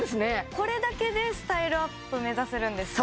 これだけでスタイルアップ目指せるんですか？